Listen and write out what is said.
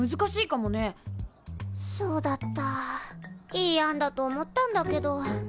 いい案だと思ったんだけど。